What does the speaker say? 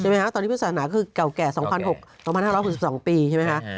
เมื่อพุทธศาสนาคือเก่าแก่๒๕๐๐ปีใช่ไหมคะ